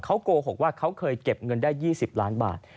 เขาโกหกว่าเขาเคยเก็บเงินได้๒๐ล้านบาท